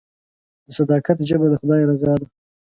د صداقت ژبه د خدای رضا ده.